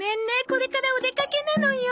これからお出かけなのよ。